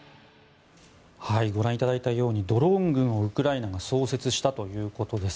ご覧いただいたようにドローン軍をウクライナが創設したということです。